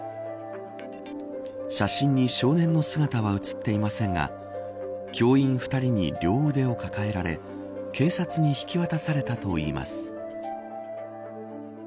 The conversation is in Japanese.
写真に少年の姿は写っていませんが教員２人に両腕を抱えられ警察に引き渡されたといいます。